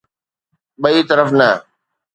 ٻئي طرف نه.